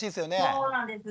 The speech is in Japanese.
そうなんです。